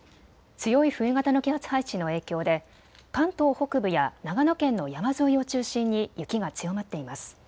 強い冬型の気圧配置の影響で関東北部や長野県の山沿いを中心に雪が強まっています。